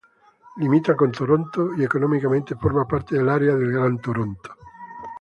Limita con Toronto y económicamente forma parte del Área del Gran Toronto.